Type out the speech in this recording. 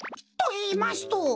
といいますと？